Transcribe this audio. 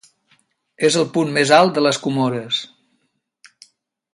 És el punt més alt de les Comores.